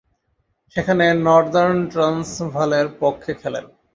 সেখানে নর্দার্ন ট্রান্সভালের পক্ষে খেলেন।